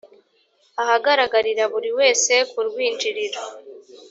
ahagaragarira buri wese ku rwinjiriro